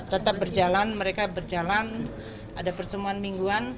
tetap berjalan mereka berjalan ada pertemuan mingguan